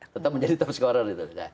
tetap menjadi top scorer gitu